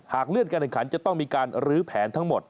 เลื่อนการแข่งขันจะต้องมีการลื้อแผนทั้งหมด